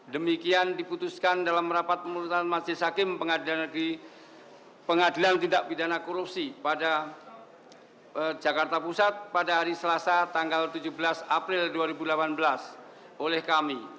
demikian diputuskan dalam rapat pemerintahan majelis hakim pengadilan tindak pidana korupsi pada jakarta pusat pada hari selasa tanggal tujuh belas april dua ribu delapan belas oleh kami